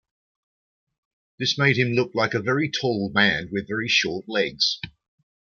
This made him look like a very tall man with very short legs.